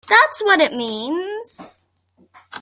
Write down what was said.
That's what it means!